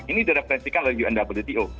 ini direferensikan oleh unwto